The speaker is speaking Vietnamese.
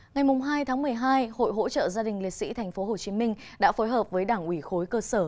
ngày hai tháng một mươi hai hội hỗ trợ gia đình liệt sĩ tp hcm đã phối hợp với đảng ủy khối cơ sở